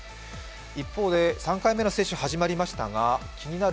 一方で、３回目の接種始まりましたが気になる